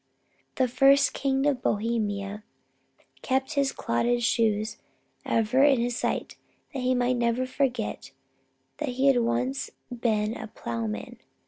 The first king of Bohemia kept his clouted old shoes ever in his sight, that he might never forget that he had once been a ploughman.